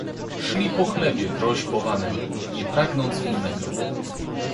Szli po chlebie prośbowanym, nie pragnąc innego.